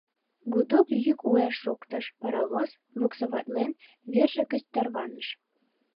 Гудок йӱк уэш шоктыш, паровоз, буксоватлен, верже гыч тарваныш.